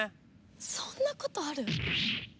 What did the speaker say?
そんなことある？